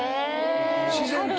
自然と。